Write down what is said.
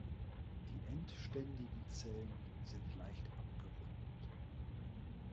Die endständigen Zellen sind leicht abgerundet.